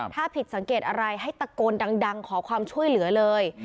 ถ้าผิดสังเกตอะไรให้ตะโกนดังขอความช่วยเหลือเลย